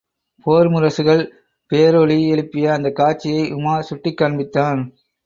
போர் முரசுகள் பேரொலி எழுப்பிய அந்தக் காட்சியை உமார் சுட்டிக் காண்பித்தான்.